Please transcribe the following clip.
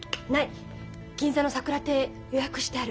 銀座のさくら亭予約してある。